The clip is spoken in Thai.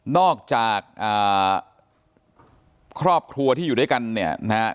นอกจากครอบครัวที่อยู่ด้วยกันเนี่ยนะฮะ